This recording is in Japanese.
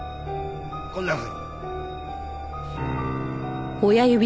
こんなふうに。